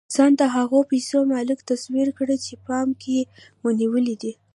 ځان د هغو پيسو مالک تصور کړئ چې په پام کې مو نيولې دي.